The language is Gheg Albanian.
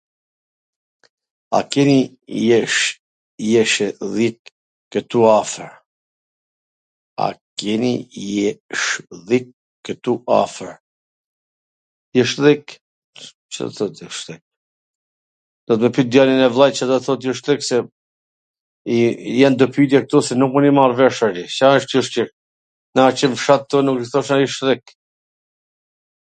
A keni jeshillik kwtu afwr? A keni jeshilliik kwtu afwr? Jeshillik... Ca do t thot kjo... duhet me pyt djalin e vllait Ca do t thot jeshillik se jan do pytje ktu se nuk mund t i marr vesh realisht... Ca wsht kjo shqip? Na qw nw fsaht ton nuk i thona jeshillik...